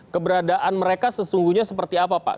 keberadaan mereka sesungguhnya seperti apa pak